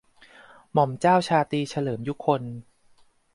หม่อมเจ้าชาตรีเฉลิม ยุคล